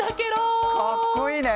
かっこいいね。